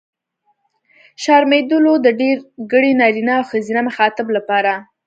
شرمېدلو! د ډېرګړي نرينه او ښځينه مخاطب لپاره.